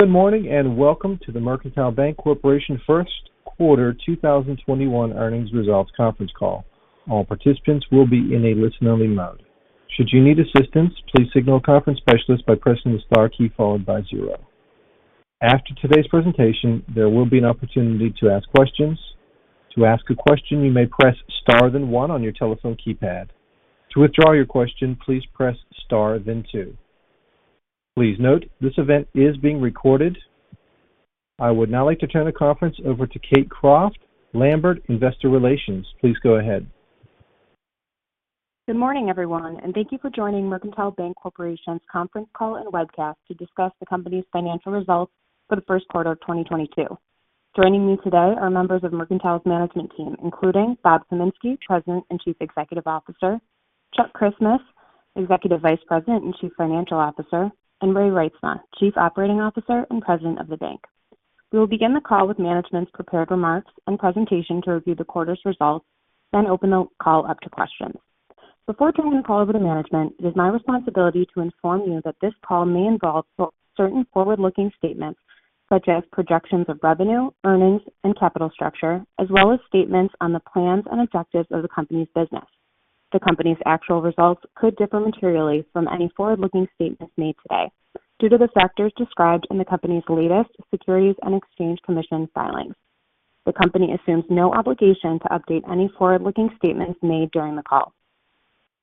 Good morning, and welcome to the Mercantile Bank Corporation Q1 2021 Earnings Results Conference Call. All participants will be in a listen-only mode. Should you need assistance, please signal a conference specialist by pressing the star key followed by zero. After today's presentation, there will be an opportunity to ask questions. To ask a question, you may press star then one on your telephone keypad. To withdraw your question, please press star then two. Please note, this event is being recorded. I would now like to turn the conference over to Kate Croft, Lambert Investor Relations. Please go ahead. Good morning, everyone, and thank you for joining Mercantile Bank Corporation's conference call and webcast to discuss the company's financial results for the Q1 of 2022. Joining me today are members of Mercantile's management team, including Bob Kaminski, President and Chief Executive Officer, Chuck Christmas, Executive Vice President and Chief Financial Officer, and Ray Reitsma, Chief Operating Officer and President of the bank. We will begin the call with management's prepared remarks and presentation to review the quarter's results, then open the call up to questions. Before turning the call over to management, it is my responsibility to inform you that this call may involve certain forward-looking statements such as projections of revenue, earnings, and capital structure, as well as statements on the plans and objectives of the company's business. The company's actual results could differ materially from any forward-looking statements made today due to the factors described in the company's latest Securities and Exchange Commission filings. The company assumes no obligation to update any forward-looking statements made during the call.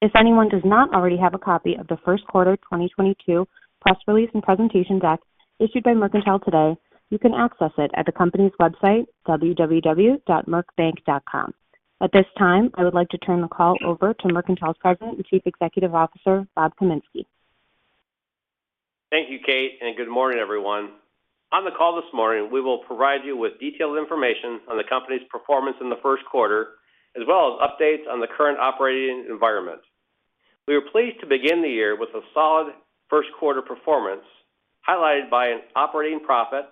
If anyone does not already have a copy of the Q1 2022 press release and presentation deck issued by Mercantile today, you can access it at the company's website, www.mercbank.com. At this time, I would like to turn the call over to Mercantile's President and Chief Executive Officer, Bob Kaminski. Thank you, Kate, and good morning, everyone. On the call this morning, we will provide you with detailed information on the company's performance in the Q1, as well as updates on the current operating environment. We are pleased to begin the year with a solid Q1 performance, highlighted by an operating profit,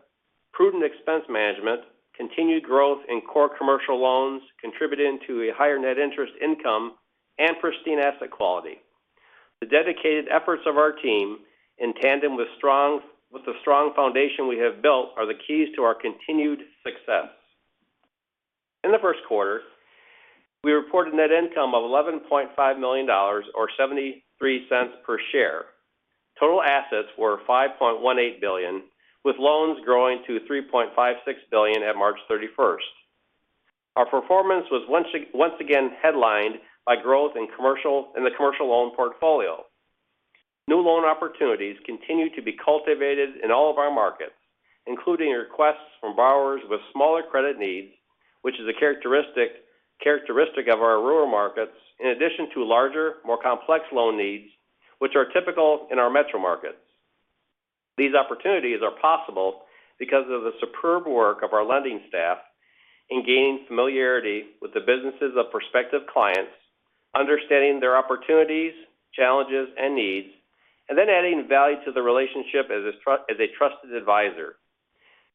prudent expense management, continued growth in core commercial loans contributing to a higher net interest income, and pristine asset quality. The dedicated efforts of our team in tandem with the strong foundation we have built are the keys to our continued success. In the Q1, we reported net income of $11.5 million or 73 cents per share. Total assets were $5.18 billion, with loans growing to $3.56 billion at March 31. Our performance was once again headlined by growth in the commercial loan portfolio. New loan opportunities continue to be cultivated in all of our markets, including requests from borrowers with smaller credit needs, which is a characteristic of our rural markets, in addition to larger, more complex loan needs, which are typical in our metro markets. These opportunities are possible because of the superb work of our lending staff in gaining familiarity with the businesses of prospective clients, understanding their opportunities, challenges, and needs, and then adding value to the relationship as a trusted advisor.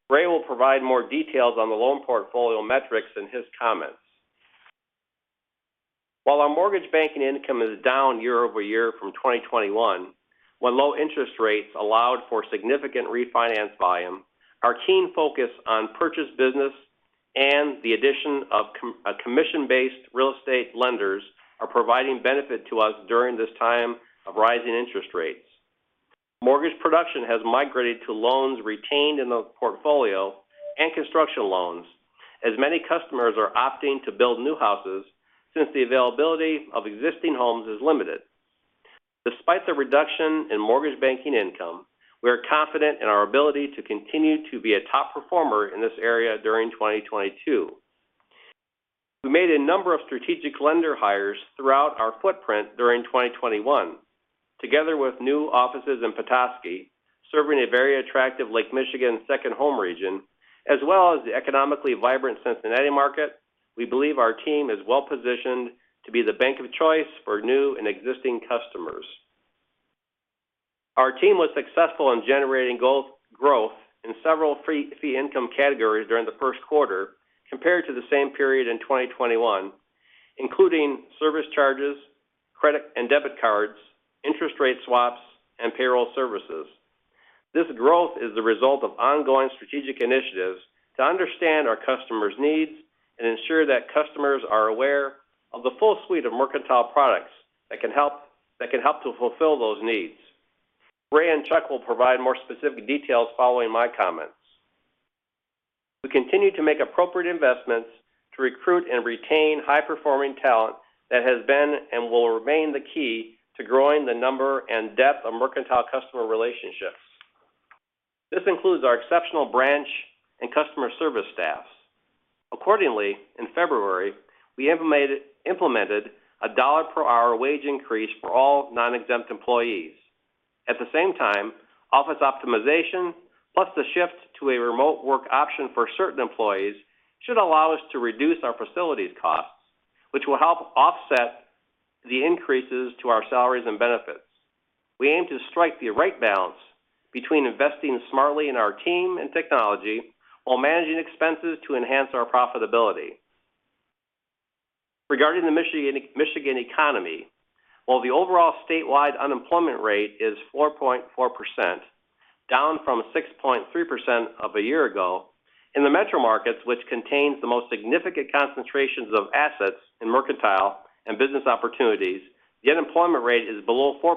Ray will provide more details on the loan portfolio metrics in his comments. While our mortgage banking income is down year-over-year from 2021, when low interest rates allowed for significant refinance volume, our keen focus on purchase business and the addition of commission-based real estate lenders are providing benefit to us during this time of rising interest rates. Mortgage production has migrated to loans retained in the portfolio and construction loans, as many customers are opting to build new houses since the availability of existing homes is limited. Despite the reduction in mortgage banking income, we are confident in our ability to continue to be a top performer in this area during 2022. We made a number of strategic lender hires throughout our footprint during 2021. Together with new offices in Petoskey, serving a very attractive Lake Michigan second home region, as well as the economically vibrant Cincinnati market, we believe our team is well-positioned to be the bank of choice for new and existing customers. Our team was successful in generating growth in several fee income categories during the Q1 compared to the same period in 2021, including service charges, credit and debit cards, interest rate swaps, and payroll services. This growth is the result of ongoing strategic initiatives to understand our customers' needs and ensure that customers are aware of the full suite of Mercantile products that can help to fulfill those needs. Ray and Chuck will provide more specific details following my comments. We continue to make appropriate investments to recruit and retain high-performing talent that has been and will remain the key to growing the number and depth of Mercantile customer relationships. This includes our exceptional branch and customer service staffs. Accordingly, in February, we implemented a $1 per hour wage increase for all non-exempt employees. At the same time, office optimization plus the shift to a remote work option for certain employees should allow us to reduce our facilities costs, which will help offset the increases to our salaries and benefits. We aim to strike the right balance between investing smartly in our team and technology while managing expenses to enhance our profitability. Regarding the Michigan economy, while the overall statewide unemployment rate is 4.4%, down from 6.3% of a year ago, in the metro markets which contains the most significant concentrations of assets in Mercantile and business opportunities, the unemployment rate is below 4%.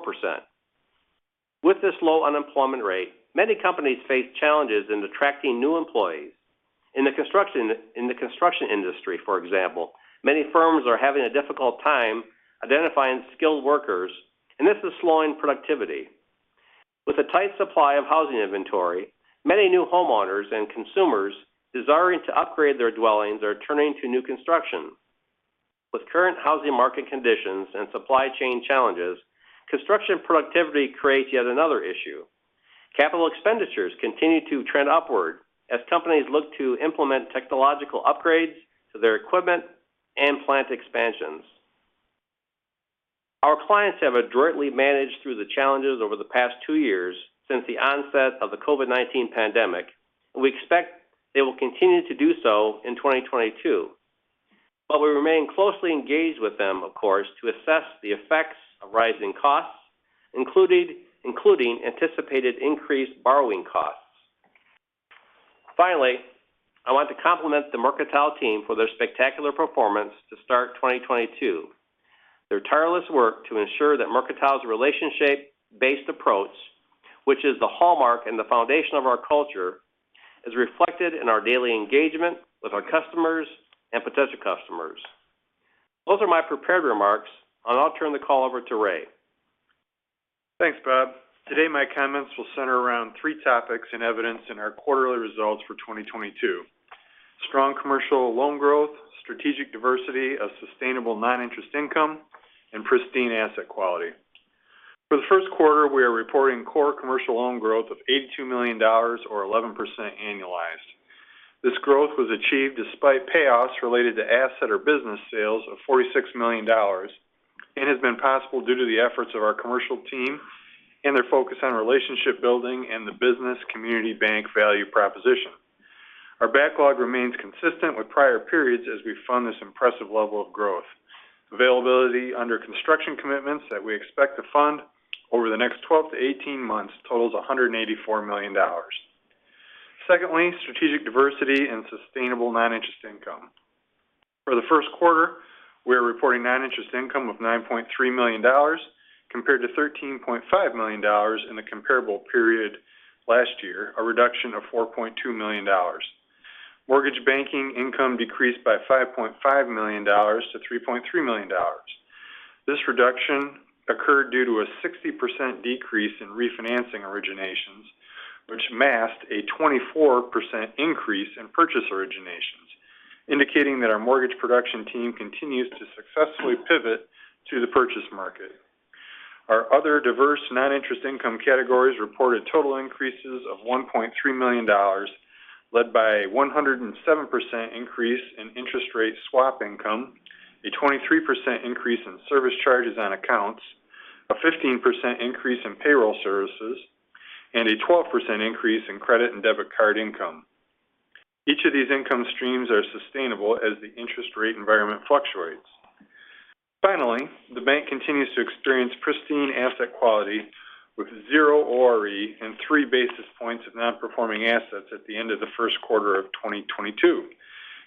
With this low unemployment rate, many companies face challenges in attracting new employees. In the construction industry, for example, many firms are having a difficult time identifying skilled workers, and this is slowing productivity. With a tight supply of housing inventory, many new homeowners and consumers desiring to upgrade their dwellings are turning to new construction. With current housing market conditions and supply chain challenges, construction productivity creates yet another issue. Capital expenditures continue to trend upward as companies look to implement technological upgrades to their equipment and plant expansions. Our clients have adroitly managed through the challenges over the past two years since the onset of the COVID-19 pandemic. We expect they will continue to do so in 2022. We remain closely engaged with them, of course, to assess the effects of rising costs, including anticipated increased borrowing costs. Finally, I want to compliment the Mercantile team for their spectacular performance to start 2022. Their tireless work to ensure that Mercantile's relationship-based approach, which is the hallmark and the foundation of our culture, is reflected in our daily engagement with our customers and potential customers. Those are my prepared remarks, and I'll turn the call over to Ray. Thanks, Bob. Today, my comments will center around three topics and evidence in our quarterly results for 2022. Strong commercial loan growth, strategic diversity of sustainable non-interest income, and pristine asset quality. For the Q1, we are reporting core commercial loan growth of $82 million or 11% annualized. This growth was achieved despite payoffs related to asset or business sales of $46 million and has been possible due to the efforts of our commercial team and their focus on relationship building and the business community bank value proposition. Our backlog remains consistent with prior periods as we fund this impressive level of growth. Availability under construction commitments that we expect to fund over the next 12 to 18 months totals $184 million. Secondly, strategic diversity and sustainable non-interest income. For the Q1, we are reporting non-interest income of $9.3 million compared to $13.5 million in the comparable period last year, a reduction of $4.2 million. Mortgage banking income decreased by $5.5 million to $3.3 million. This reduction occurred due to a 60% decrease in refinancing originations, which masked a 24% increase in purchase originations, indicating that our mortgage production team continues to successfully pivot to the purchase market. Our other diverse non-interest income categories reported total increases of $1.3 million, led by a 107% increase in interest rate swap income, a 23% increase in service charges on accounts, a 15% increase in payroll services, and a 12% increase in credit and debit card income. Each of these income streams are sustainable as the interest rate environment fluctuates. Finally, the bank continues to experience pristine asset quality with zero ORE and 3 basis points of non-performing assets at the end of the Q1 of 2022,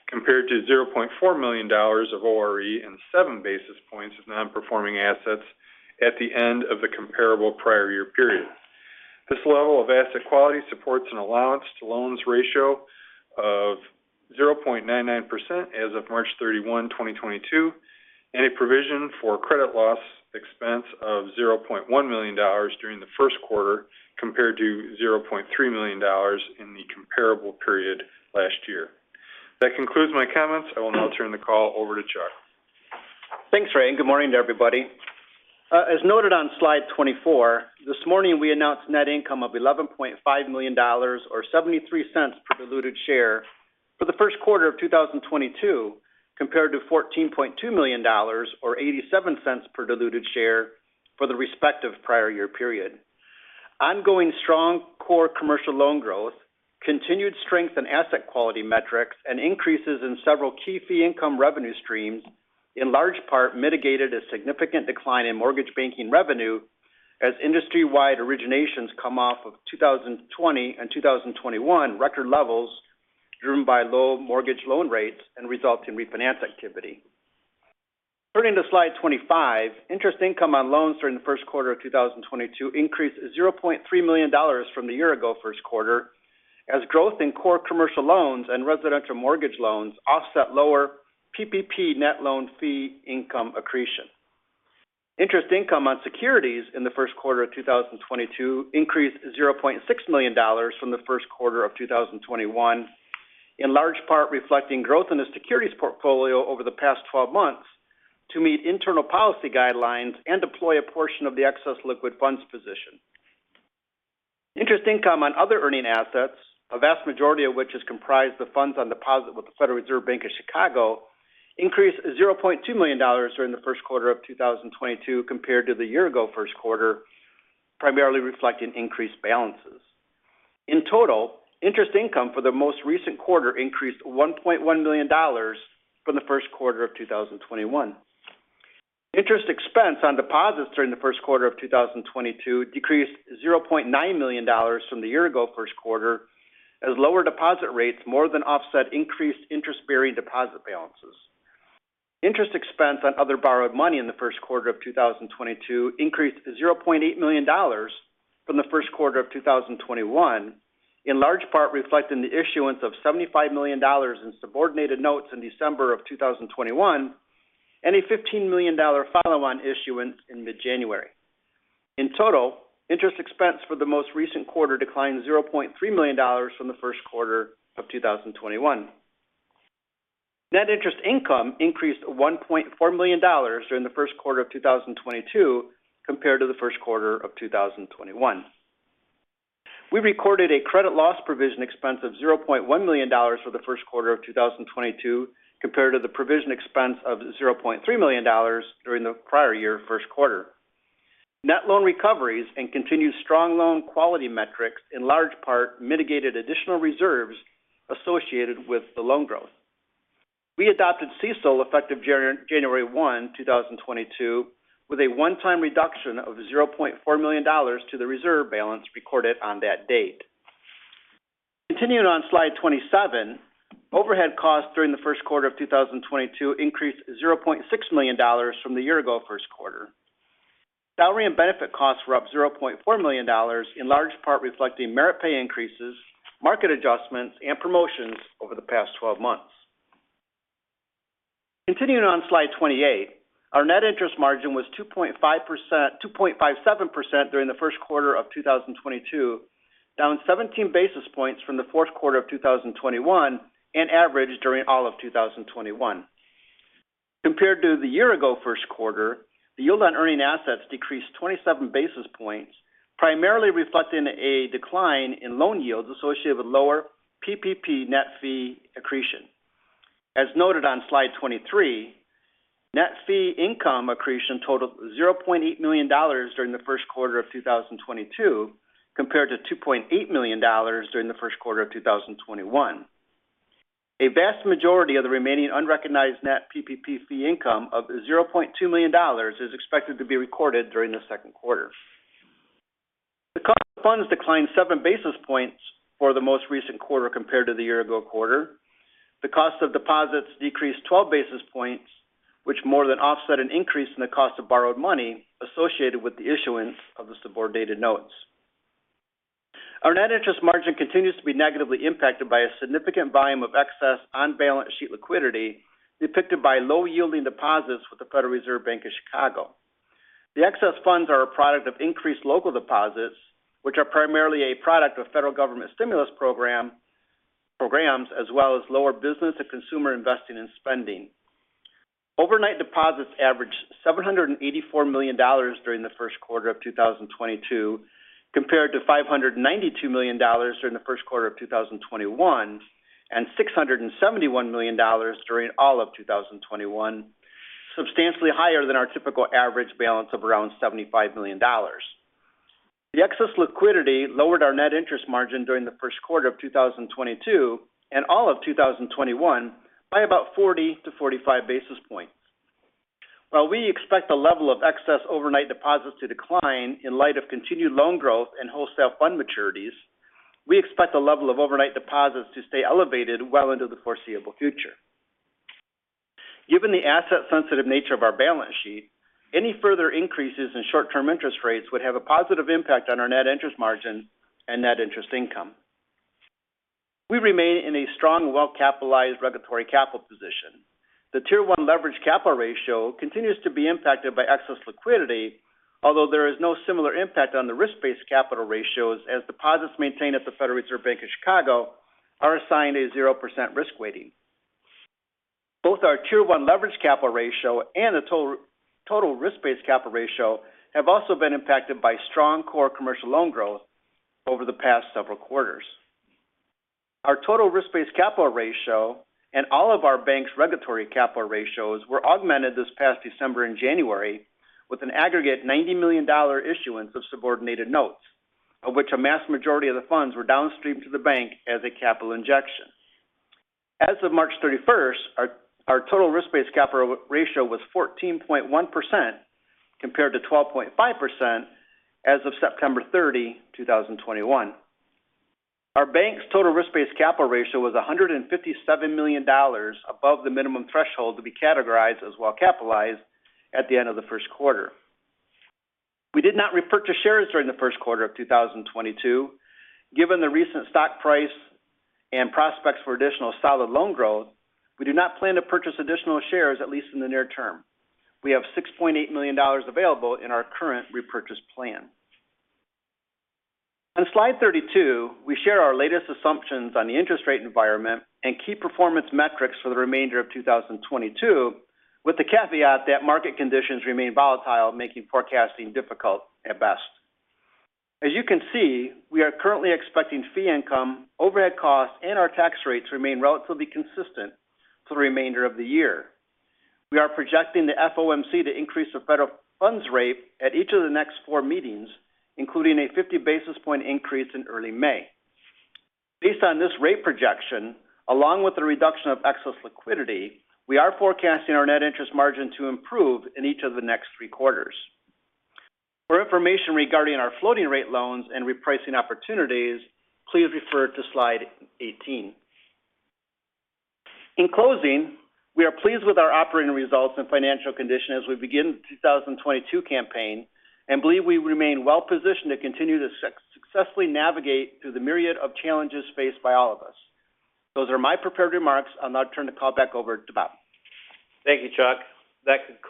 compared to $0.4 million of ORE and 7 basis points of non-performing assets at the end of the comparable prior year period. This level of asset quality supports an allowance to loans ratio of 0.99% as of March 31, 2022, and a provision for credit loss expense of $0.1 million during the Q1, compared to $0.3 million in the comparable period last year. That concludes my comments. I will now turn the call over to Chuck. Thanks, Ray, and good morning to everybody. As noted on slide 24, this morning, we announced net income of $11.5 million or $0.73 per diluted share for the Q1 of 2022, compared to $14.2 million or $0.87 per diluted share for the respective prior year period. Ongoing strong core commercial loan growth, continued strength in asset quality metrics, and increases in several key fee income revenue streams in large part mitigated a significant decline in mortgage banking revenue as industry-wide originations come off of 2020 and 2021 record levels driven by low mortgage loan rates and results in refinance activity. Turning to slide 25, interest income on loans during the Q1 of 2022 increased $0.3 million from the year-ago Q1 as growth in core commercial loans and residential mortgage loans offset lower PPP net loan fee income accretion. Interest income on securities in the Q1 of 2022 increased $0.6 million from the Q1 of 2021, in large part reflecting growth in the securities portfolio over the past 12 months to meet internal policy guidelines and deploy a portion of the excess liquid funds position. Interest income on other earning assets, a vast majority of which is comprised of funds on deposit with the Federal Reserve Bank of Chicago, increased $0.2 million during the Q1 of 2022 compared to the year ago Q1, primarily reflecting increased balances. In total, interest income for the most recent quarter increased $1.1 million from the Q1 of 2021. Interest expense on deposits during the Q1 of 2022 decreased $0.9 million from the year ago Q1 as lower deposit rates more than offset increased interest-bearing deposit balances. Interest expense on other borrowed money in the Q1 of 2022 increased $0.8 million from the Q1 of 2021, in large part reflecting the issuance of $75 million in subordinated notes in December of 2021 and a $15 million follow-on issuance in mid-January. In total, interest expense for the most recent quarter declined $0.3 million from the first quarter of 2021. Net interest income increased $1.4 million during the first quarter of 2022 compared to the Q1 of 2021. We recorded a credit loss provision expense of $0.1 million for the first quarter of 2022 compared to the provision expense of $0.3 million during the prior year first quarter. Net loan recoveries and continued strong loan quality metrics in large part mitigated additional reserves associated with the loan growth. We adopted CECL effective January 1, 2022 with a one-time reduction of $0.4 million to the reserve balance recorded on that date. Continuing on slide 27, overhead costs during the first quarter of 2022 increased $0.6 million from the year-ago first quarter. Salary and benefit costs were up $0.4 million, in large part reflecting merit pay increases, market adjustments, and promotions over the past 12 months. Continuing on slide 28, our net interest margin was 2.5%, 2.57% during the first quarter of 2022, down 17 basis points from the fourth quarter of 2021 and average during all of 2021. Compared to the year-ago first quarter, the yield on interest-earning assets decreased 27 basis points, primarily reflecting a decline in loan yields associated with lower PPP net fee accretion. As noted on slide 23, net fee income accretion totaled $0.8 million during the first quarter of 2022 compared to $2.8 million during the first quarter of 2021. A vast majority of the remaining unrecognized net PPP fee income of $0.2 million is expected to be recorded during the second quarter. The cost of funds declined 7 basis points for the most recent quarter compared to the year ago quarter. The cost of deposits decreased 12 basis points, which more than offset an increase in the cost of borrowed money associated with the issuance of the subordinated notes. Our net interest margin continues to be negatively impacted by a significant volume of excess on-balance sheet liquidity depicted by low-yielding deposits with the Federal Reserve Bank of Chicago. The excess funds are a product of increased local deposits, which are primarily a product of federal government stimulus programs, as well as lower business and consumer investing and spending. Overnight deposits averaged $784 million during the Q1 of 2022 compared to $592 million during the Q1 of 2021 and $671 million during all of 2021, substantially higher than our typical average balance of around $75 million. The excess liquidity lowered our net interest margin during the Q1 of 2022 and all of 2021 by about 40-45 basis points. While we expect the level of excess overnight deposits to decline in light of continued loan growth and wholesale fund maturities, we expect the level of overnight deposits to stay elevated well into the foreseeable future. Given the asset-sensitive nature of our balance sheet, any further increases in short-term interest rates would have a positive impact on our net interest margin and net interest income. We remain in a strong, well-capitalized regulatory capital position. The Tier 1 leverage capital ratio continues to be impacted by excess liquidity, although there is no similar impact on the risk-based capital ratios as deposits maintained at the Federal Reserve Bank of Chicago are assigned a 0% risk weighting. Both our Tier 1 leverage capital ratio and the total risk-based capital ratio have also been impacted by strong core commercial loan growth over the past several quarters. Our total risk-based capital ratio and all of our bank's regulatory capital ratios were augmented this past December and January with an aggregate $90 million issuance of subordinated notes, of which a vast majority of the funds were downstreamed to the bank as a capital injection. As of March 31, our total risk-based capital ratio was 14.1% compared to 12.5% as of September 30, 2021. Our bank's total risk-based capital ratio was $157 million above the minimum threshold to be categorized as well-capitalized at the end of the Q1. We did not repurchase shares during the Q1 of 2022. Given the recent stock price and prospects for additional solid loan growth, we do not plan to purchase additional shares at least in the near term. We have $6.8 million available in our current repurchase plan. On slide 32, we share our latest assumptions on the interest rate environment and key performance metrics for the remainder of 2022, with the caveat that market conditions remain volatile, making forecasting difficult at best. As you can see, we are currently expecting fee income, overhead costs, and our tax rates to remain relatively consistent for the remainder of the year. We are projecting the FOMC to increase the federal funds rate at each of the next four meetings, including a 50 basis point increase in early May. Based on this rate projection, along with the reduction of excess liquidity, we are forecasting our net interest margin to improve in each of the next three quarters. For information regarding our floating rate loans and repricing opportunities, please refer to slide 18. In closing, we are pleased with our operating results and financial condition as we begin the 2022 campaign and believe we remain well positioned to continue to successfully navigate through the myriad of challenges faced by all of us. Those are my prepared remarks. I'll now turn the call back over to Bob. Thank you, Chuck. That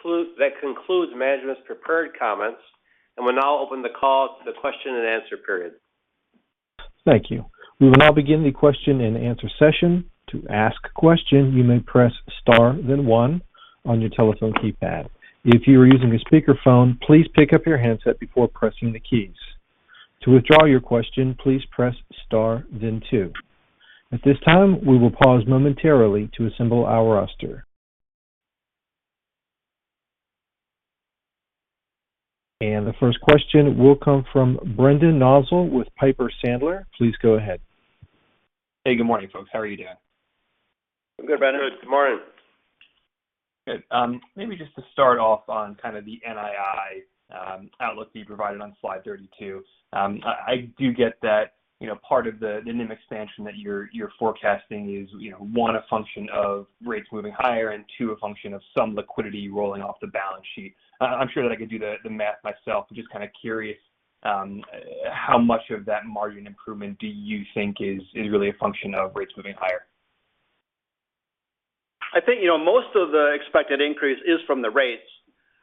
concludes management's prepared comments, and we'll now open the call to the question and answer period. Thank you. We will now begin the question and answer session. To ask a question, you may press star then one on your telephone keypad. If you are using a speakerphone, please pick up your handset before pressing the keys. To withdraw your question, please press star then two. At this time, we will pause momentarily to assemble our roster. The first question will come from Brendan Nosal with Piper Sandler. Please go ahead. Hey, good morning, folks. How are you doing? Good, Brendan. Good. Good morning. Good. Maybe just to start off on kind of the NII outlook you provided on slide 32. I do get that, you know, part of the NIM expansion that you're forecasting is, you know, one, a function of rates moving higher and two, a function of some liquidity rolling off the balance sheet. I'm sure that I could do the math myself. Just kind of curious, how much of that margin improvement do you think is really a function of rates moving higher? I think, you know, most of the expected increase is from the rates,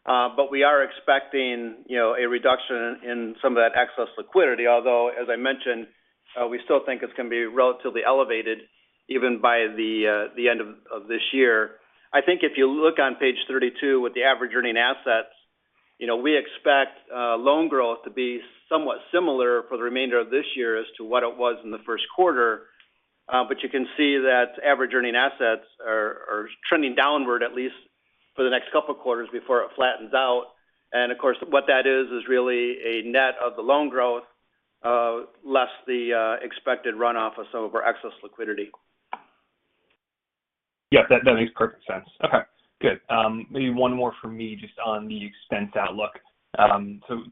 but we are expecting, you know, a reduction in some of that excess liquidity. Although, as I mentioned, we still think it's going to be relatively elevated even by the end of this year. I think if you look on page 32 with the average earning assets, you know, we expect loan growth to be somewhat similar for the remainder of this year as to what it was in the Q1. But you can see that average earning assets are trending downward at least for the next couple quarters before it flattens out. Of course, what that is really a net of the loan growth less the expected runoff of some of our excess liquidity. Yeah. That makes perfect sense. Okay, good. Maybe one more from me just on the expense outlook.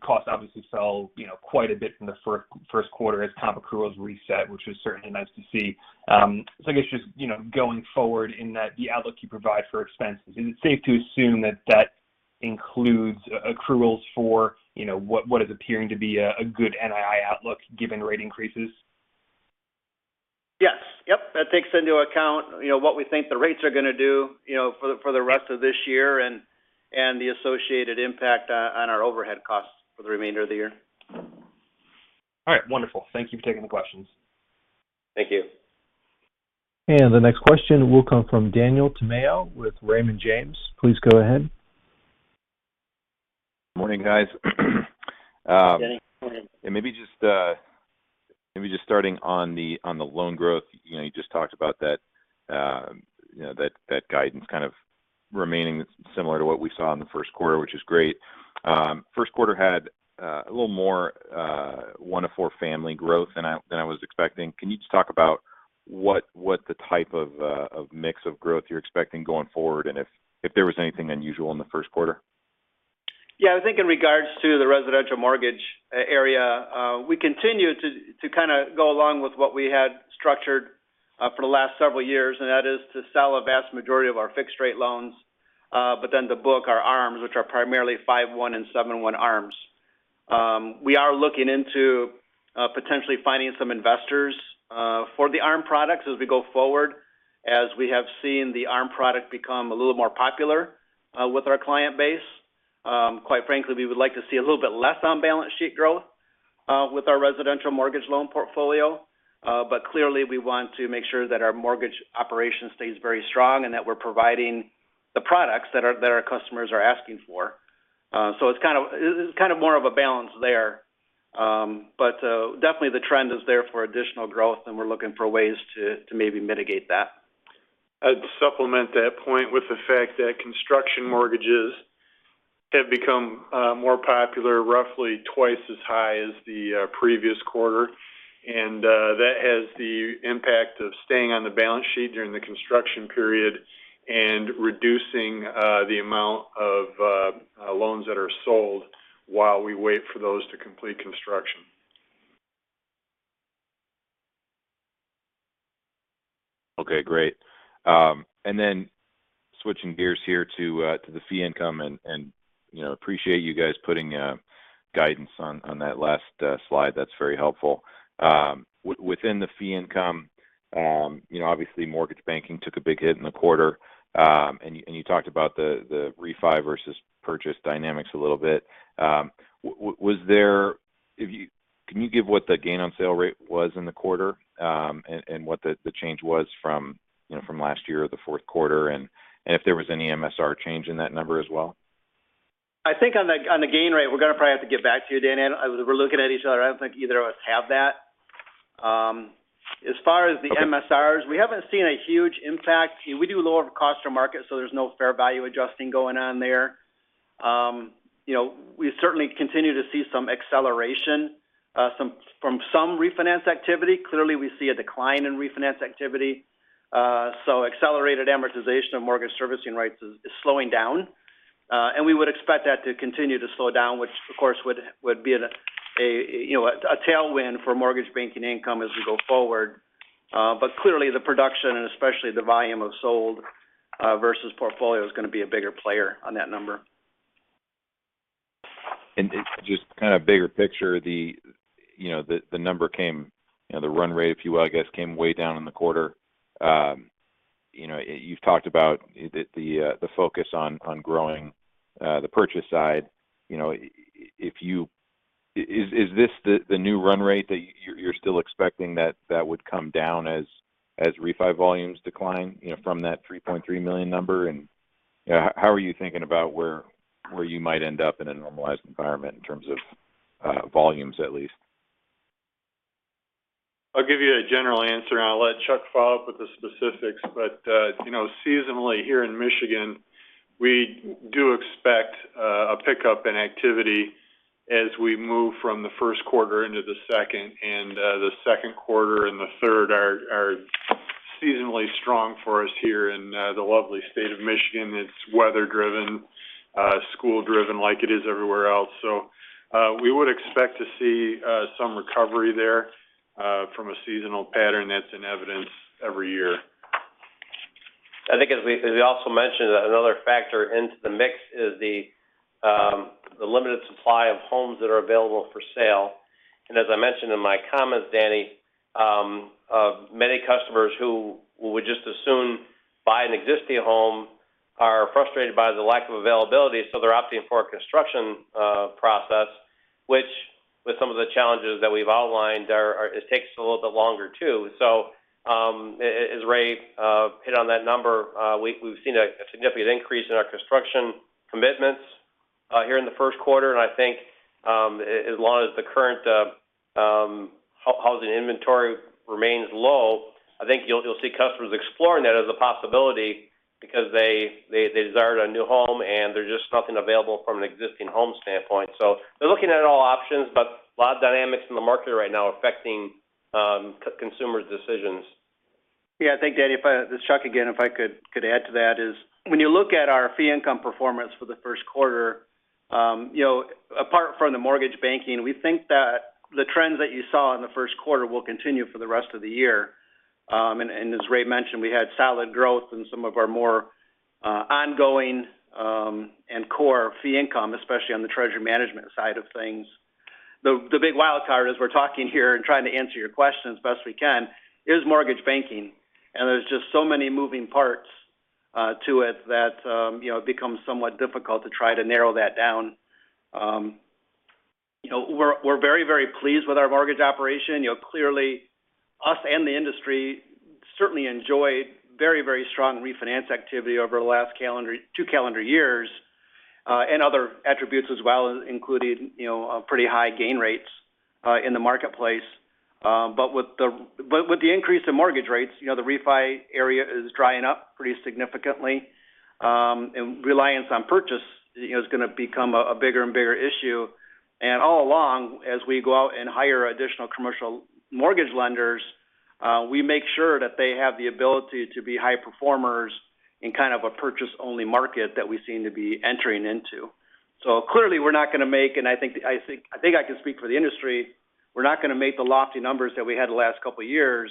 Costs obviously fell, you know, quite a bit from the Q1 as comp accruals reset, which was certainly nice to see. I guess just, you know, going forward in that, the outlook you provide for expenses, is it safe to assume that includes accruals for, you know, what is appearing to be a good NII outlook given rate increases? Yes. Yep. That takes into account, you know, what we think the rates are gonna do, you know, for the rest of this year and the associated impact on our overhead costs for the remainder of the year. All right. Wonderful. Thank you for taking the questions. Thank you. The next question will come from Daniel Tamayo with Raymond James. Please go ahead. Morning, guys. Good morning. Maybe just starting on the loan growth. You know, you just talked about that, you know, that guidance kind of remaining similar to what we saw in the Q1, which is great. Q1 had a little more 1one-four family growth than I was expecting. Can you just talk about what the type of mix of growth you're expecting going forward, and if there was anything unusual in the Q1? Yeah. I think in regards to the residential mortgage area, we continue to kind of go along with what we had structured for the last several years, and that is to sell a vast majority of our fixed rate loans, but then to book our ARMs, which are primarily 5/1 and 7/1 ARMs. We are looking into potentially finding some investors for the ARM products as we go forward, as we have seen the ARM product become a little more popular with our client base. Quite frankly, we would like to see a little bit less on balance sheet growth with our residential mortgage loan portfolio. Clearly, we want to make sure that our mortgage operation stays very strong and that we're providing the products that our customers are asking for. It's kind of more of a balance there. Definitely the trend is there for additional growth, and we're looking for ways to maybe mitigate that. I'd supplement that point with the fact that construction mortgages have become more popular, roughly twice as high as the previous quarter. That has the impact of staying on the balance sheet during the construction period and reducing the amount of loans that are sold while we wait for those to complete construction. Okay. Great. Switching gears here to the fee income and, you know, appreciate you guys putting guidance on that last slide. That's very helpful. Within the fee income, you know, obviously mortgage banking took a big hit in the quarter, and you talked about the refi versus purchase dynamics a little bit. Can you give what the gain on sale rate was in the quarter, and what the change was from last year or the Q4, and if there was any MSR change in that number as well? I think on the gain rate, we're going to probably have to get back to you, Dan, and we're looking at each other. I don't think either of us have that. As far as the MSRs, we haven't seen a huge impact. We do lower of cost or market, so there's no fair value adjusting going on there. You know, we certainly continue to see some acceleration from some refinance activity. Clearly, we see a decline in refinance activity. Accelerated amortization of mortgage servicing rights is slowing down. We would expect that to continue to slow down, which of course would be a tailwind for mortgage banking income as we go forward. Clearly, the production and especially the volume of sold versus portfolio is going to be a bigger player on that number. Just kind of bigger picture, you know, the number came, you know, the run rate, if you will, I guess, came way down in the quarter. You know, you've talked about the focus on growing the purchase side. You know, is this the new run rate that you're still expecting that would come down as refi volumes decline, you know, from that 3.3 million number? You know, how are you thinking about where you might end up in a normalized environment in terms of volumes, at least? I'll give you a general answer, and I'll let Chuck follow up with the specifics. You know, seasonally here in Michigan, we do expect a pickup in activity as we move from the Q1 into the Q2, and the Q2 and the Q3 are seasonally strong for us here in the lovely state of Michigan. It's weather-driven, school-driven like it is everywhere else. We would expect to see some recovery there from a seasonal pattern that's in evidence every year. I think as we also mentioned, another factor into the mix is the limited supply of homes that are available for sale. As I mentioned in my comments, Daniel, many customers who would just as soon buy an existing home are frustrated by the lack of availability, so they're opting for a construction process, which with some of the challenges that we've outlined it takes a little bit longer, too. As Ray hit on that number, we've seen a significant increase in our construction commitments here in the Q1. I think as long as the current housing inventory remains low, I think you'll see customers exploring that as a possibility because they desired a new home and there's just nothing available from an existing home standpoint. They're looking at all options, but a lot of dynamics in the market right now affecting consumers' decisions. I think, Daniel, this is Chuck again, if I could add to that is when you look at our fee income performance for the Q1, you know, apart from the mortgage banking, we think that the trends that you saw in the Q1 will continue for the rest of the year. As Ray mentioned, we had solid growth in some of our more ongoing and core fee income, especially on the treasury management side of things. The big wild card as we're talking here and trying to answer your question as best we can is mortgage banking. There's just so many moving parts to it that you know it becomes somewhat difficult to try to narrow that down. You know we're very very pleased with our mortgage operation. You know clearly us and the industry certainly enjoyed very very strong refinance activity over the last two calendar years and other attributes as well including you know pretty high gain rates in the marketplace. But with the increase in mortgage rates you know the refi area is drying up pretty significantly. Reliance on purchase you know is going to become a bigger and bigger issue. As we go out and hire additional commercial mortgage lenders, we make sure that they have the ability to be high performers in kind of a purchase-only market that we seem to be entering into. Clearly, we're not going to make, and I think I can speak for the industry, we're not going to make the lofty numbers that we had the last couple of years.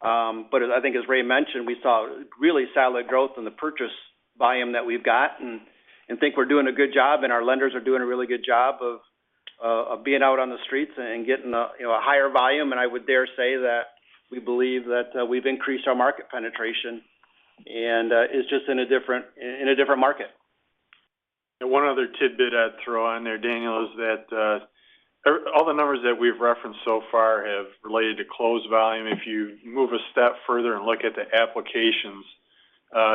But I think as Ray mentioned, we saw really solid growth in the purchase volume that we've got and think we're doing a good job and our lenders are doing a really good job of being out on the streets and getting a, you know, a higher volume. I would dare say that we believe that we've increased our market penetration and it's just in a different market. One other tidbit I'd throw on there, Daniel, is that all the numbers that we've referenced so far have related to close volume. If you move a step further and look at the applications,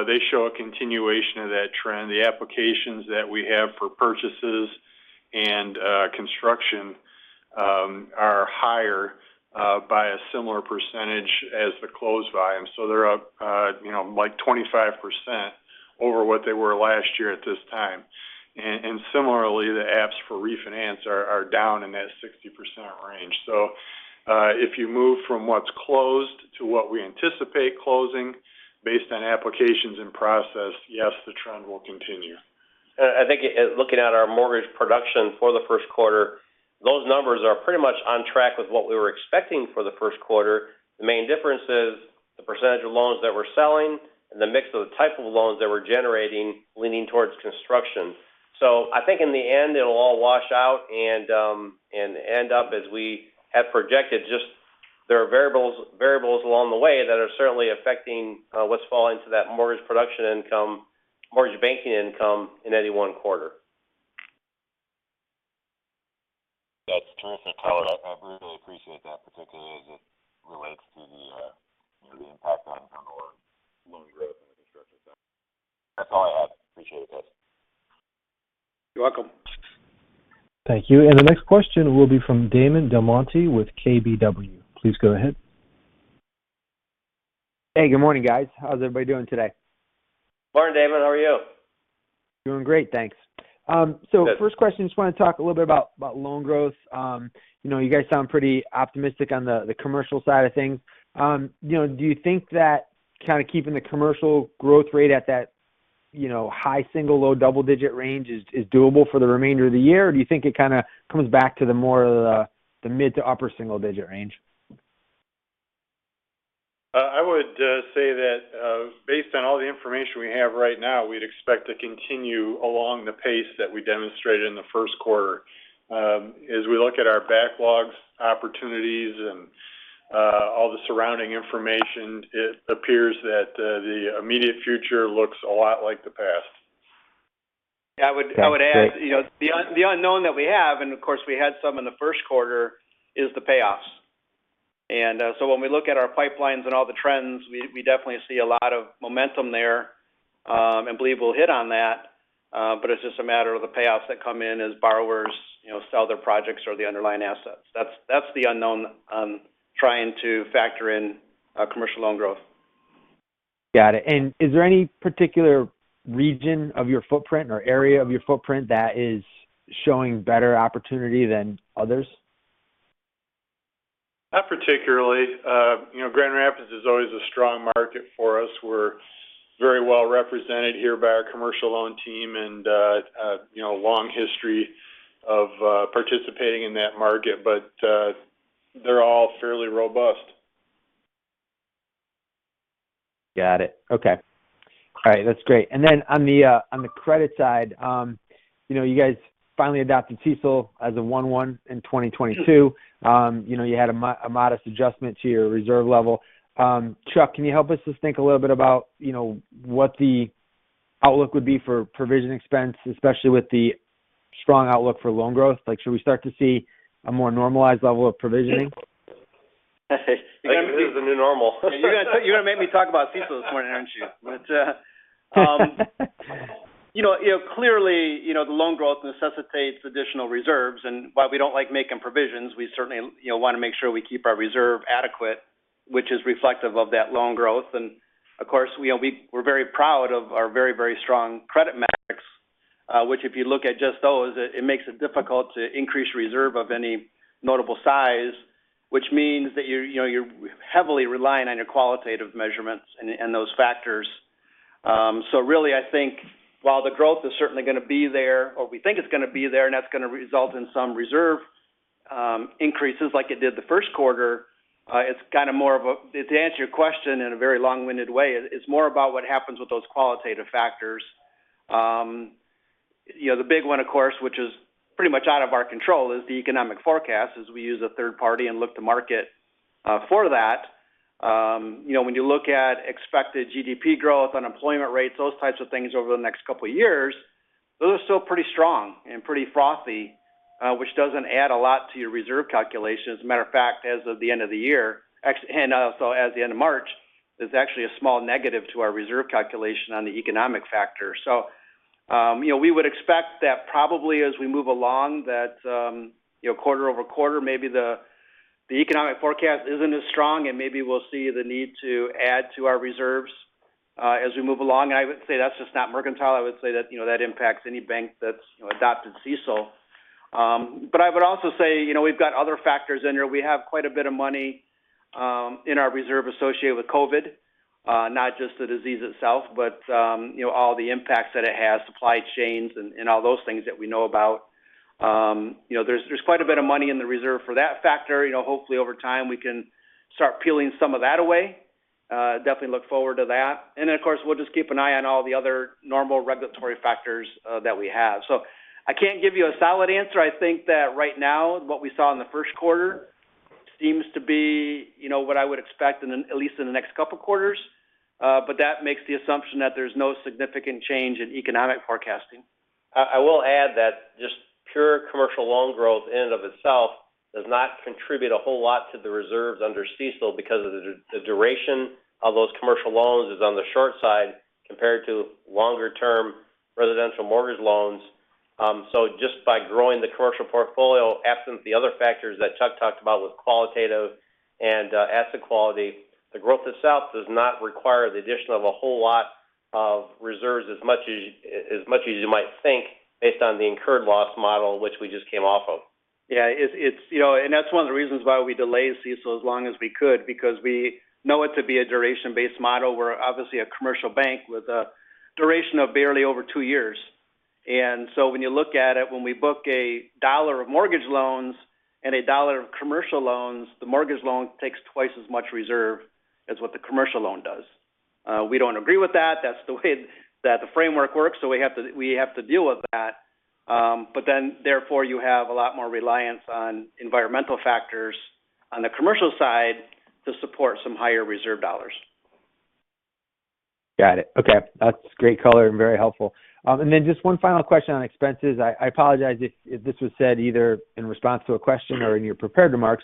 they show a continuation of that trend. The applications that we have for purchases and construction are higher by a similar percentage as the close volume. They're up, you know, like 25% over what they were last year at this time. Similarly, the apps for refinance are down in that 60% range. If you move from what's closed to what we anticipate closing based on applications in process, yes, the trend will continue. I think looking at our mortgage production for the Q1, those numbers are pretty much on track with what we were expecting for the Q1. The main difference is the percentage of loans that we're selling and the mix of the type of loans that we're generating leaning towards construction. I think in the end, it'll all wash out and end up as we have projected. Just there are variables along the way that are certainly affecting what's falling to that mortgage production income, mortgage banking income in any one quarter. That's terrific, Tyler. I really appreciate that, particularly as it relates to the, you know, the impact on our loan growth and the construction side. That's all I have. Appreciate it, guys. You're welcome. Thank you. The next question will be from Damon DelMonte with KBW. Please go ahead. Hey, good morning, guys. How's everybody doing today? Morning, Damon. How are you? Doing great, thanks. First question, I just want to talk a little bit about loan growth. You know, you guys sound pretty optimistic on the commercial side of things. You know, do you think that kind of keeping the commercial growth rate at that, you know, high single-digit to low double-digit range is doable for the remainder of the year? Or do you think it kind of comes back to more of the mid- to upper-single-digit range? I would say that, based on all the information we have right now, we'd expect to continue along the pace that we demonstrated in the Q1. As we look at our backlogs, opportunities, and all the surrounding information, it appears that the immediate future looks a lot like the past. Thank you, Ray. I would add, you know, the unknown that we have, and of course we had some in the Q1, is the payoffs. When we look at our pipelines and all the trends, we definitely see a lot of momentum there, and believe we'll hit on that. It's just a matter of the payoffs that come in as borrowers, you know, sell their projects or the underlying assets. That's the unknown on trying to factor in, commercial loan growth. Got it. Is there any particular region of your footprint or area of your footprint that is showing better opportunity than others? Not particularly. You know, Grand Rapids is always a strong market for us. We're very well represented here by our commercial loan team and, you know, long history of participating in that market. They're all fairly robust. Got it. Okay. All right. That's great. Then on the credit side, you know, you guys finally adopted CECL as of 1/1/2022. You know, you had a modest adjustment to your reserve level. Chuck, can you help us just think a little bit about, you know, what the outlook would be for provision expense, especially with the strong outlook for loan growth? Like, should we start to see a more normalized level of provisioning? This is the new normal. You're gonna make me talk about CECL this morning, aren't you? You know, clearly, you know, the loan growth necessitates additional reserves. While we don't like making provisions, we certainly, you know, want to make sure we keep our reserve adequate, which is reflective of that loan growth. Of course, you know, we're very proud of our very strong credit metrics. Which if you look at just those, it makes it difficult to increase reserve of any notable size, which means that you're, you know, you're heavily relying on your qualitative measurements and those factors. Really, I think while the growth is certainly going to be there, or we think it's going to be there, and that's going to result in some reserve increases like it did the Q1, it's kind of more of a, to answer your question in a very long-winded way, it's more about what happens with those qualitative factors. You know, the big one, of course, which is pretty much out of our control, is the economic forecast, as we use a third party and look to market for that. You know, when you look at expected GDP growth, unemployment rates, those types of things over the next couple of years, those are still pretty strong and pretty frothy, which doesn't add a lot to your reserve calculation. As a matter of fact, as of the end of the year and also as of the end of March, there's actually a small negative to our reserve calculation on the economic factor. You know, we would expect that probably as we move along that, you know, quarter-over-quarter, maybe the economic forecast isn't as strong, and maybe we'll see the need to add to our reserves, as we move along. I would say that's just not Mercantile. I would say that, you know, that impacts any bank that's, you know, adopted CECL. I would also say, you know, we've got other factors in here. We have quite a bit of money in our reserve associated with COVID, not just the disease itself, but you know, all the impacts that it has, supply chains and all those things that we know about. You know, there's quite a bit of money in the reserve for that factor. You know, hopefully over time we can start peeling some of that away. Definitely look forward to that. Then, of course, we'll just keep an eye on all the other normal regulatory factors that we have. I can't give you a solid answer. I think that right now, what we saw in the Q1 seems to be you know, what I would expect in at least the next couple quarters. But that makes the assumption that there's no significant change in economic forecasting. I will add that just pure commercial loan growth in and of itself does not contribute a whole lot to the reserves under CECL because of the duration of those commercial loans is on the short side compared to longer term residential mortgage loans. So just by growing the commercial portfolio, absent the other factors that Chuck talked about with qualitative and asset quality, the growth itself does not require the addition of a whole lot of reserves as much as you might think based on the incurred loss model, which we just came off of. Yeah. It's you know, and that's one of the reasons why we delayed CECL as long as we could because we know it to be a duration-based model. We're obviously a commercial bank with a duration of barely over two years. When you look at it, when we book a dollar of mortgage loans and a dollar of commercial loans, the mortgage loan takes twice as much reserve as what the commercial loan does. We don't agree with that. That's the way that the framework works. We have to deal with that. Then therefore, you have a lot more reliance on environmental factors on the commercial side to support some higher reserve dollars. Got it. Okay. That's great color and very helpful. And then just one final question on expenses. I apologize if this was said either in response to a question or in your prepared remarks.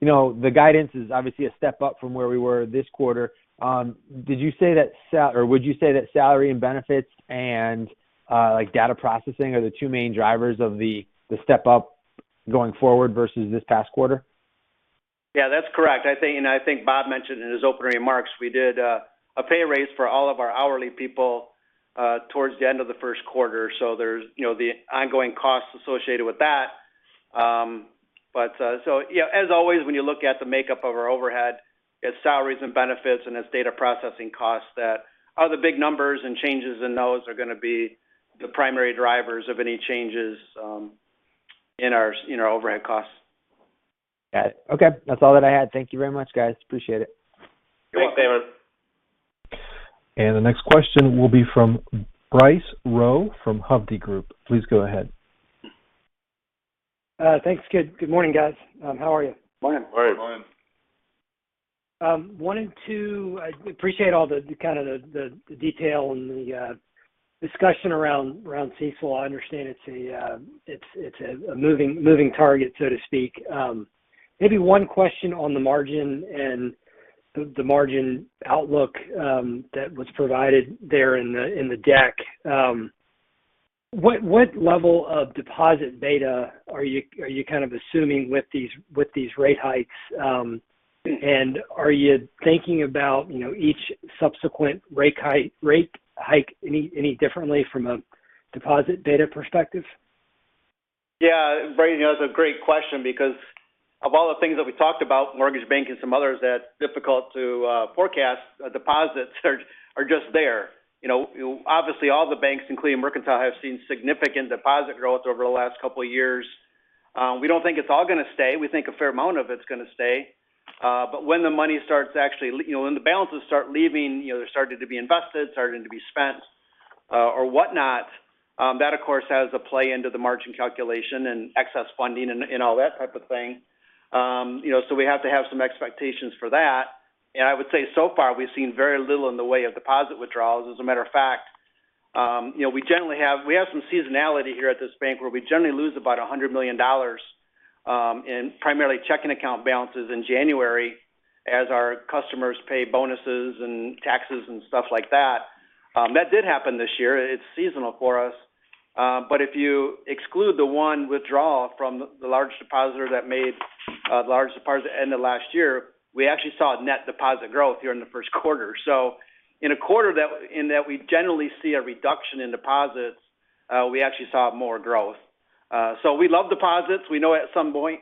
You know, the guidance is obviously a step up from where we were this quarter. Did you say that or would you say that salary and benefits and like data processing are the two main drivers of the step up going forward versus this past quarter? Yeah, that's correct. I think, and I think Bob mentioned in his opening remarks, we did a pay raise for all of our hourly people towards the end of the Q1. There's, you know, the ongoing costs associated with that. Yeah, as always, when you look at the makeup of our overhead, it's salaries and benefits, and it's data processing costs that are the big numbers, and changes in those are gonna be the primary drivers of any changes in our overhead costs. Got it. Okay. That's all that I had. Thank you very much, guys. Appreciate it. Thanks, Damon. The next question will be from Bryce Rowe from Hovde Group. Please go ahead. Thanks. Good morning, guys. How are you? Morning. Morning. I appreciate all the kind of detail and the discussion around CECL. I understand it's a moving target, so to speak. Maybe one question on the margin and the margin outlook that was provided there in the deck. What level of deposit beta are you kind of assuming with these rate hikes? Are you thinking about, you know, each subsequent rate hike any differently from a deposit beta perspective? Yeah. Bryce, you know, that's a great question because of all the things that we talked about, mortgage banking, some others, that's difficult to forecast. Deposits are just there. You know, obviously, all the banks, including Mercantile, have seen significant deposit growth over the last couple of years. We don't think it's all gonna stay. We think a fair amount of it's gonna stay. But when the money starts, you know, when the balances start leaving, you know, they're starting to be invested, starting to be spent, or whatnot, that, of course, plays into the margin calculation and excess funding and all that type of thing. You know, we have to have some expectations for that. I would say so far, we've seen very little in the way of deposit withdrawals. As a matter of fact, you know, we have some seasonality here at this bank where we generally lose about $100 million in primarily checking account balances in January as our customers pay bonuses and taxes and stuff like that. That did happen this year. It's seasonal for us. If you exclude the one withdrawal from the large depositor that made a large deposit at the end of last year, we actually saw a net deposit growth here in the Q1. In a quarter that we generally see a reduction in deposits, we actually saw more growth. We love deposits. We know at some point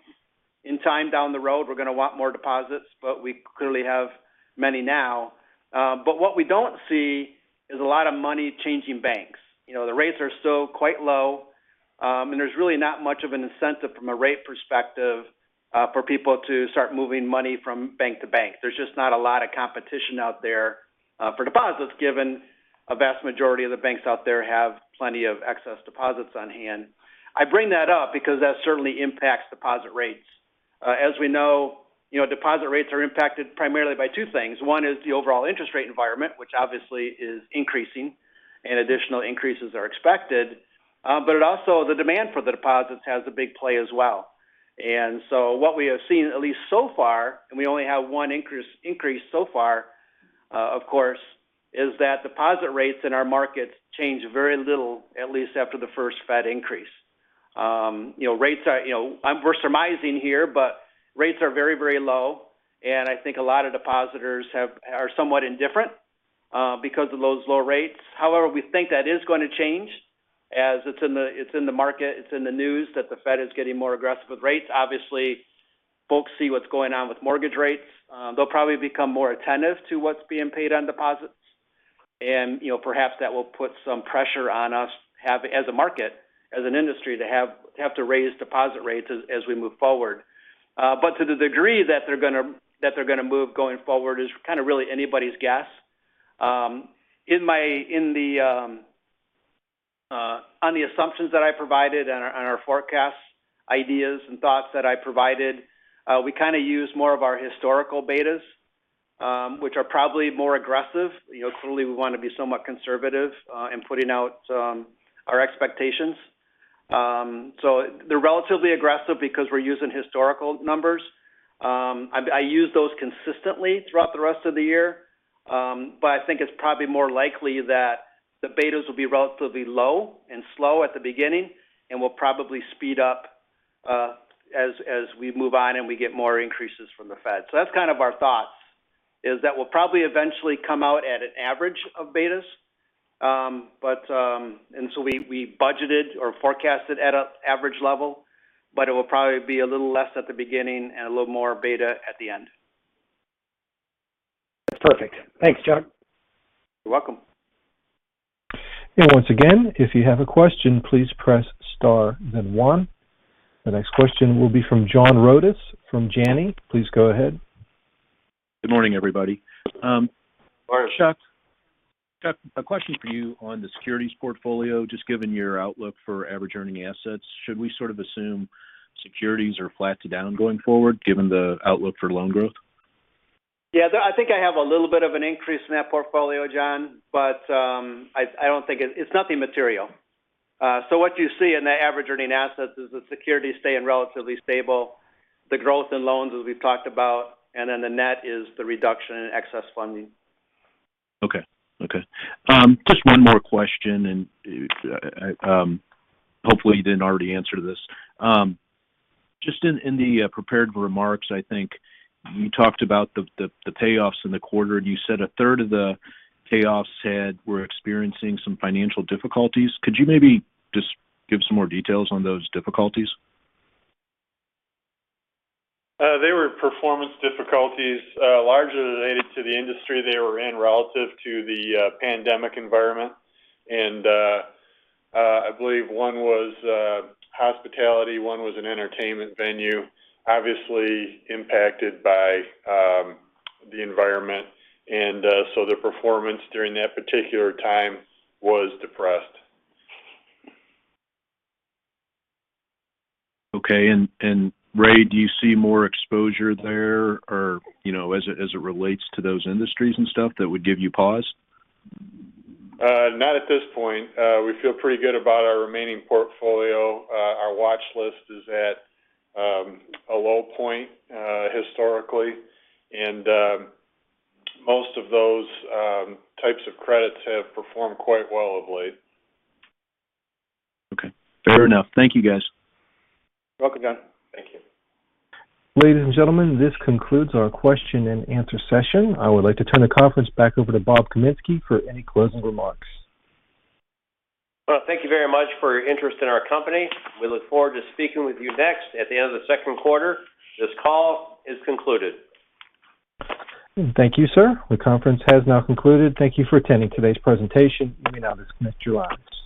in time down the road, we're going to want more deposits, but we clearly have many now. What we don't see is a lot of money changing banks. You know, the rates are still quite low, and there's really not much of an incentive from a rate perspective, for people to start moving money from bank to bank. There's just not a lot of competition out there, for deposits, given a vast majority of the banks out there have plenty of excess deposits on hand. I bring that up because that certainly impacts deposit rates. As we know, you know, deposit rates are impacted primarily by two things. One is the overall interest rate environment, which obviously is increasing and additional increases are expected. It also, the demand for the deposits has a big play as well. What we have seen, at least so far, and we only have one increase so far, of course, is that deposit rates in our markets change very little, at least after the first Fed increase. You know, we're surmising here, but rates are very, very low, and I think a lot of depositors are somewhat indifferent because of those low rates. However, we think that is going to change as it's in the market, it's in the news that the Fed is getting more aggressive with rates. Obviously, folks see what's going on with mortgage rates. They will probably become more attentive to what's being paid on deposits. You know, perhaps that will put some pressure on us as a market, as an industry, to have to raise deposit rates as we move forward. To the degree that they're gonna move going forward is kind of really anybody's guess. On the assumptions that I provided on our forecast ideas and thoughts that I provided, we kind of use more of our historical betas, which are probably more aggressive. You know, clearly, we want to be somewhat conservative in putting out our expectations. They're relatively aggressive because we're using historical numbers. I use those consistently throughout the rest of the year. I think it's probably more likely that the betas will be relatively low and slow at the beginning and will probably speed up as we move on and we get more increases from the Fed. That's kind of our thoughts, is that we'll probably eventually come out at an average of betas. We budgeted or forecasted at an average level, but it will probably be a little less at the beginning and a little more beta at the end. That's perfect. Thanks, Chuck. You're welcome. Once again, if you have a question, please press star then one. The next question will be from John Rodis from Janney. Please go ahead. Good morning, everybody. Morning. Chuck, a question for you on the securities portfolio. Just given your outlook for average earning assets, should we sort of assume Securities are flat to down going forward given the outlook for loan growth? Yeah. I think I have a little bit of an increase in that portfolio, John, but I don't think it's nothing material. What you see in the average earning assets is the security staying relatively stable. The growth in loans, as we've talked about, and then the net is the reduction in excess funding. Okay. Just one more question, and hopefully you didn't already answer this. Just in the prepared remarks, I think you talked about the payoffs in the quarter, and you said a third of the payoffs were experiencing some financial difficulties. Could you maybe just give some more details on those difficulties? They were performance difficulties, largely related to the industry they were in relative to the pandemic environment. I believe one was hospitality, one was an entertainment venue, obviously impacted by the environment. Their performance during that particular time was depressed. Okay. Ray, do you see more exposure there or, you know, as it relates to those industries and stuff that would give you pause? Not at this point. We feel pretty good about our remaining portfolio. Our watch list is at a low point historically. Most of those types of credits have performed quite well of late. Okay. Fair enough. Thank you, guys. You're welcome, John. Thank you. Ladies and gentlemen, this concludes our question and answer session. I would like to turn the conference back over to Bob Kaminski for any closing remarks. Well, thank you very much for your interest in our company. We look forward to speaking with you next at the end of the Q2. This call is concluded. Thank you, sir. The conference has now concluded. Thank you for attending today's presentation. You may now disconnect your lines.